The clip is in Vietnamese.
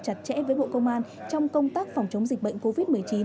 chặt chẽ với bộ công an trong công tác phòng chống dịch bệnh covid một mươi chín